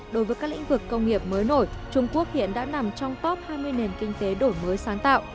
đối với các lĩnh vực công nghiệp mới nổi trung quốc hiện đã nằm trong top hai mươi nền kinh tế đổi mới sáng tạo